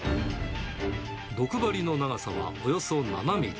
毒針の長さはおよそ７ミリ。